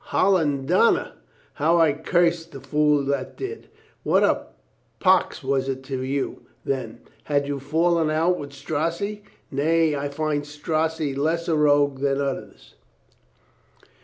"Hollendonner! How I cursed the fool that did ! What a pox was it to you, then? Had you fallen out with Strozzi?" "Nay, I find Strozzi less a rogue than others."